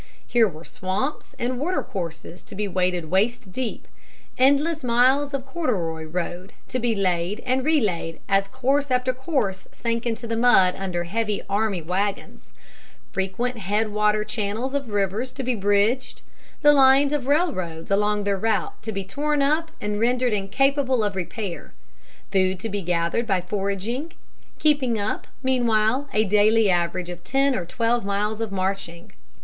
Here were swamps and water courses to be waded waist deep; endless miles of corduroy road to be laid and relaid as course after course sank into the mud under the heavy army wagons; frequent head water channels of rivers to be bridged; the lines of railroad along their route to be torn up and rendered incapable of repair; food to be gathered by foraging; keeping up, meanwhile a daily average of ten or twelve miles of marching.